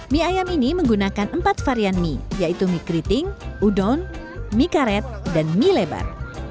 mie ayam ini menggunakan empat varian mie yaitu mie keriting udon mie karet dan mie lebar